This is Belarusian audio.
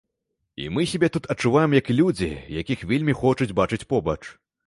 І мы сябе тут адчуваем як людзі, якіх вельмі хочуць бачыць побач.